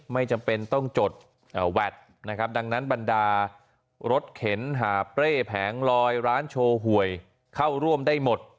ไม่จำเป็นต้องจดแวดนะครับดังนั้นบรรดารถเข็นหาบเปร่แผงลอยร้านโชว์หวยเข้าร่วมได้หมด